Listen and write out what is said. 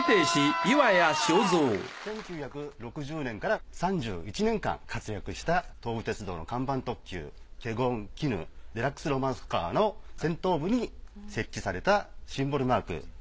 １９６０年から３１年間活躍した東武鉄道の看板特急けごんきぬデラックスロマンスカーの先頭部に設置されたシンボルマーク。